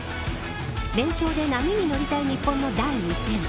連勝で波に乗りたい日本の第２戦。